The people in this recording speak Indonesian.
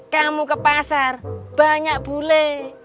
kamu ke pasar banyak bule